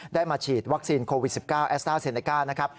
ได้มาฉีดวัคซีนโควิด๑๙แอสเตอร์เซนเนกา